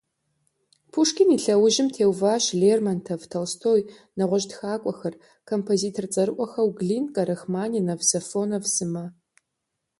Пушкин и лъэужьым теуващ Лермонтов, Толстой, нэгъуэщӀ тхакӀуэхэр, композитор цӀэрыӀуэхэу Глинкэ, Рахманинов, Сафонов сымэ.